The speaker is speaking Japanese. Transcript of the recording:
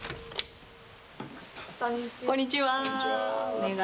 こんにちは。